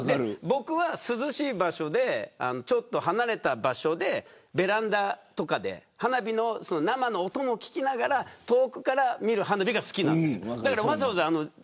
僕は涼しい場所で、離れた場所でベランダとかで花火の生の音も聞きながら遠くから見る花火が好きなんです。